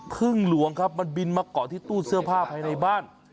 พึ่งหลวงครับมันบินมาเกาะที่ตู้เสื้อผ้าภายในบ้าน